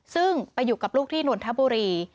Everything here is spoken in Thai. ซึ่งไปอยู่กับลูกที่นนทบุรี